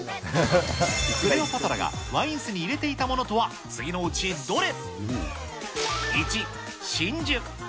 クレオパトラがワイン酢に入れていたものとは、次のうちどれ。